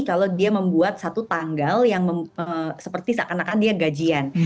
kalau dia membuat satu tanggal yang seperti seakan akan dia gajian